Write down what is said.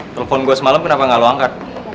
telepon gue semalam kenapa gak lo angkat